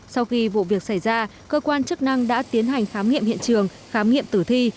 sau khi vụ việc xảy ra cơ quan chức năng đã tiến hành khám nghiệm hiện trường khám nghiệm tử thi